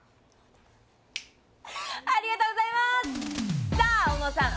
ありがとうございますさあ小野さん